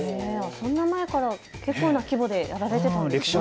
そんな前から結構な規模でやられてたんですね。